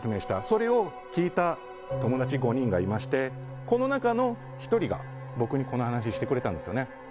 それを聞いた友達５人がいましてこの中の１人が僕にこの話をしてくれたんですよ。